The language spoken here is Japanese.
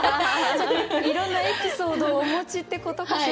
いろんなエピソードをお持ちってことかしら？